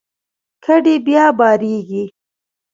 کډې بیا بارېږي.